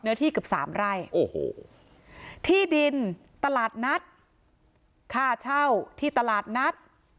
ที่เกือบสามไร่โอ้โหที่ดินตลาดนัดค่าเช่าที่ตลาดนัด